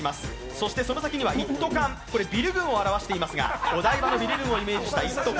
そしてその先には一斗缶これはビル群を表していますがお台場のビル群を表した一斗缶。